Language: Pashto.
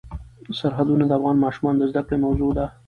سرحدونه د افغان ماشومانو د زده کړې موضوع ده.